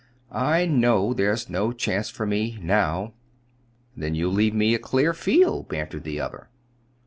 I know there's no chance for me now." "Then you'll leave me a clear field?" bantered the other.